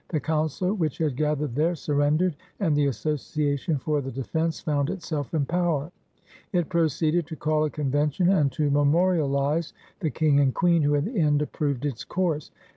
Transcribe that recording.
The Council, which had gath ered there, surrendered, and the Association for the Defense found itself in power. It proceeded to call] a convention and to memorialize the King and Queen, who in the end approved its course.